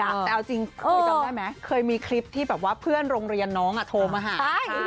แต่เอาจริงเคยจำได้ไหมเคยมีคลิปที่แบบว่าเพื่อนโรงเรียนน้องโทรมาหา